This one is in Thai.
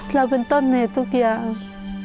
เราเป็นต้นเหตุทุกอย่าง